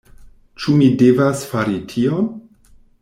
Ĉu mi devas fari tion?